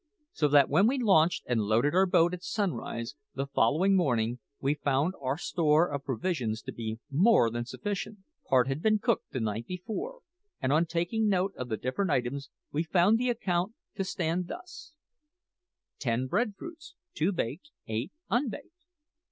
So that when we launched and loaded our boat at sunrise the following morning, we found our store of provisions to be more than sufficient. Part had been cooked the night before, and on taking note of the different items, we found the account to stand thus: 10 Bread fruits (two baked, eight unbaked).